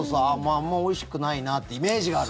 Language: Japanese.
あんまおいしくないなってイメージがある。